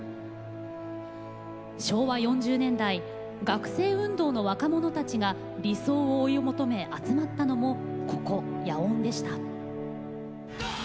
昭和４０年代学生運動の若者たちが理想を追い求め、集まったのもここ、野音でした。